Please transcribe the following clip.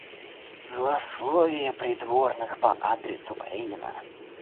Злословие придворных по адресу Каренина.